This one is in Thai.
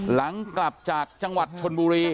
หลังกลับจากจังหวัดชนบุรี